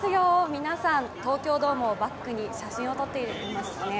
皆さん、東京ドームをバックに写真を撮っていますね。